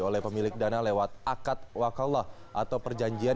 oleh pemilik dana lewat akad wakala atau perjanjian